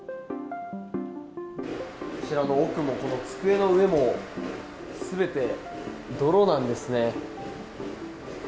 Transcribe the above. こちらの奥もこの机の上も全て泥なんですね。